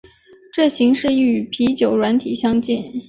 这形式亦与啤酒软体相近。